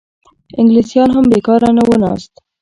انګلیسیان هم بېکاره نه وو ناست.